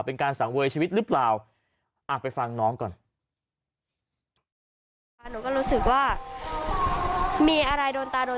เป็นการสั่งเวยชีวิตหรือเปล่า